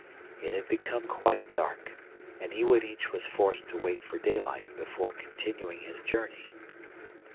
It had become quite dark, and Iwanich was forced to wait for daylight before continuing his journey.